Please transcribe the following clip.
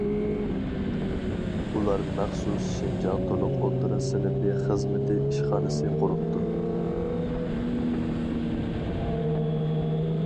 ئۇلار مەخسۇس شىنجاڭ تولۇق ئوتتۇرا سىنىپى خىزمىتى ئىشخانىسى قۇرۇپتۇ.